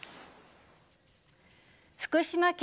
福島県